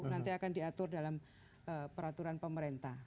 nanti akan diatur dalam peraturan pemerintah